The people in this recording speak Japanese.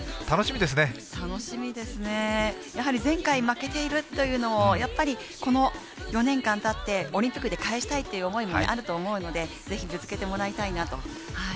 楽しみですね、やはり前回負けているというのもやっぱり、この４年間たってオリンピックで返したいという思いもあると思うのでぜひ、ぶつけてもらいたいなと。